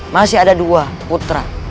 masih ada dua putra